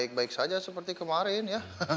baik baik saja seperti kemarin ya